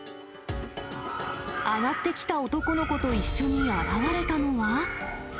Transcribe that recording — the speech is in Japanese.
上がってきた男の子と一緒に現れたのは。